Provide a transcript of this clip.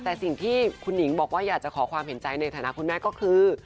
แต่สิ่งที่คุณหนิงบอกว่าอยากจะขอความเห็นใจในฐานะคุณแม่ก็คือ